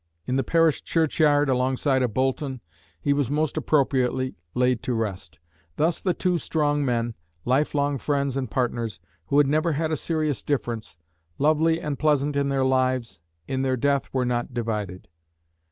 In the parish churchyard, alongside of Boulton, he was most appropriately laid to rest. Thus the two strong men, lifelong friends and partners, who had never had a serious difference, "lovely and pleasant in their lives, in their death were not divided."